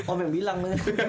om yang bilang bener